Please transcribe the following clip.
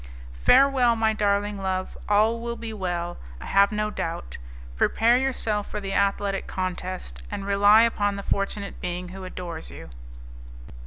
"Farewell, my darling love; all will be well, I have no doubt. Prepare yourself for the athletic contest, and rely upon the fortunate being who adores you."